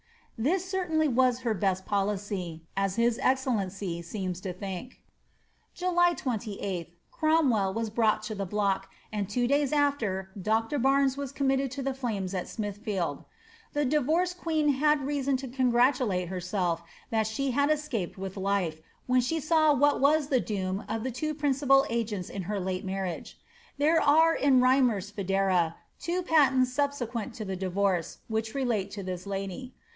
This certainly was her best policy, as his excellency seema to thinL ANIIB OF CLBVB8. 3d7 July 28th9 Cromwell was brought to the block, and two days after Dr. Barnes was committed to the flames in Smithfield.* The divorced qaeen had reason to congratulate herself that she had escaped widi life, when she saw what was the doom of the two principal agents in her late marriage. There are in Rymer's Foedera' two patents subsequent to the divorce, which relate to this lady.